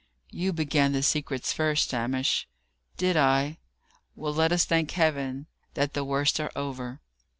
"You began the secrets first, Hamish." "Did I? Well, let us thank Heaven that the worst are over."